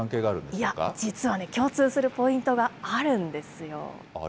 いや、実はね、共通するポイントがあるんですよ。